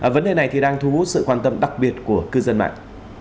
vấn đề này thì đang thu hút sự quan tâm đặc biệt của cư dân mạng